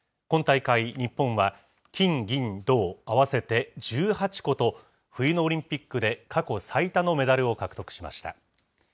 今大会、日本は金銀銅合わせて１８個と、冬のオリンピックで過去最多のメダルを獲得しました。